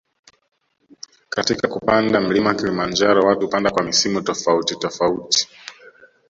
Katika kupanda mlima kilimanjaro watu hupanda kwa misimu tofauti tofauti